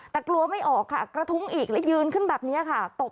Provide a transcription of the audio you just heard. แต่กลัวไม่ออกค่ะกระทุ้งอีกและยืนขึ้นแบบนี้ค่ะ